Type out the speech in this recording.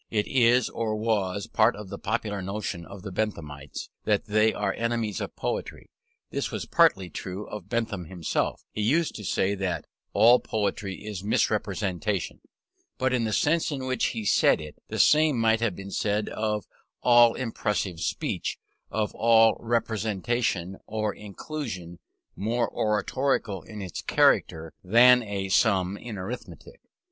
It is, or was, part of the popular notion of Benthamites, that they are enemies of poetry: this was partly true of Bentham himself; he used to say that "all poetry is misrepresentation": but in the sense in which he said it, the same might have been said of all impressive speech; of all representation or inculcation more oratorical in its character than a sum in arithmetic.